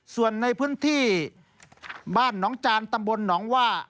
ส่วนในพื้นที่บ้านหนองจานตำบลหนองว่า